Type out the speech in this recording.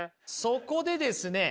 そこでですね